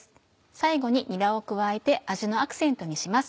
最後ににらを加えて味のアクセントにします。